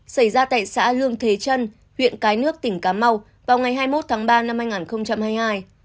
xảy ra tại xã lương thế trân huyện cái nước tỉnh cà mau vào ngày hai mươi một tháng ba năm hai nghìn hai mươi hai